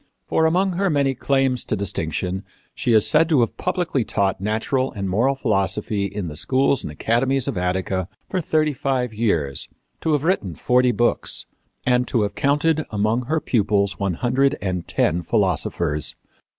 For among her many claims to distinction she is said to have publicly taught natural and moral philosophy in the schools and academies of Attica for thirty five years, to have written forty books, and to have counted among her pupils one hundred and ten philosophers.